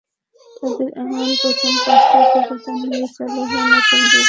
তাঁদের এমন প্রথম পাঁচটি অভিজ্ঞতা নিয়েই চালু হলো নতুন বিভাগ প্রথম পাঁচ।